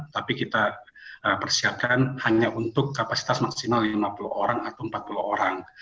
tapi kita persiapkan hanya untuk kapasitas maksimal lima puluh orang atau empat puluh orang